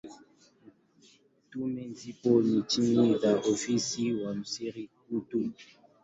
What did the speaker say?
Tume hii ipo chini ya Ofisi ya Waziri Mkuu.